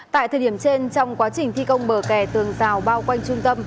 tại thời điểm trên trong quá trình thi công bờ kè tường rào bao quanh trung tâm